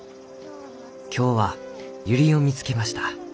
今日はユリを見つけました。